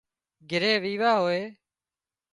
گھري ويوا هوئي